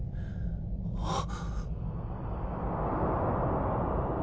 あっ！